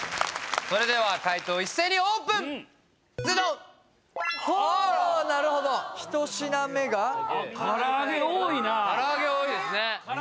それでは解答一斉にオープンズドンああなるほど１品目がから揚げ多いなから揚げ多いですね